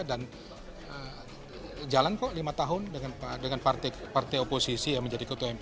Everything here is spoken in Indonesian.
dan jalan kok lima tahun dengan partai partai oposisi yang menjadi ketua mpr